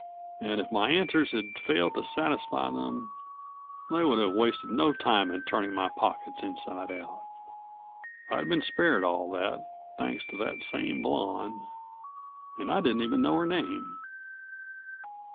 And if my answers had failed to satisfy them they would have wasted no time in turning my pockets inside out. I'd been spared all that, thanks to that same blonde. And I didn't even know her name!